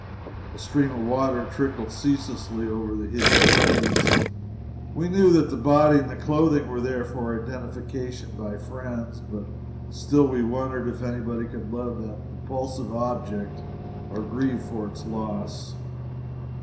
A stream of water trickled ceaselessly over the hideous face. We knew that the body and the clothing were there for identification by friends, but still we wondered if anybody could love that repulsive object or grieve for its loss.